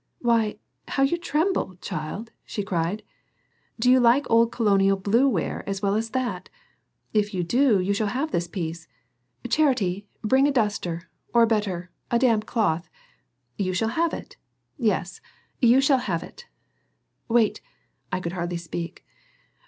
"Why, how you tremble, child!" she cried. "Do you like old Colonial blue ware as well as that? If you do, you shall have this piece. Charity, bring a duster, or, better, a damp cloth. You shall have it, yes, you shall have it." "Wait!" I could hardly speak.